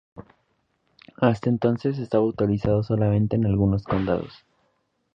Hasta entonces estaba autorizado solamente en algunos condados.